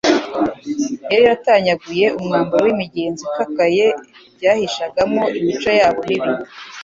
Yari yaratanyaguye umwambaro w'imigenzo ikakaye bahishagamo imico yabo mibi.